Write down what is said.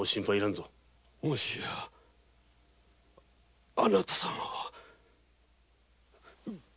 もしやあなた様は？